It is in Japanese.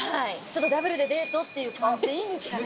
ダブルでデートっていう感じでいいんですかね